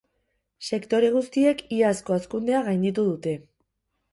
Sektore guztiek iazko hazkundea gainditu dute.